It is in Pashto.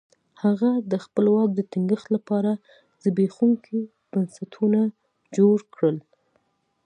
هغه د خپل واک د ټینګښت لپاره زبېښونکي بنسټونه جوړ کړل.